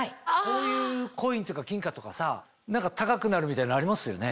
こういうコインとか金貨とかさ高くなるみたいなのありますよね。